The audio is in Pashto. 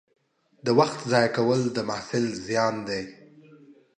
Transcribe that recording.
د وخت ضایع کول د محصل زیان دی.